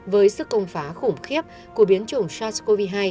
với sức công phá khủng khiếp của biến chủng sars cov hai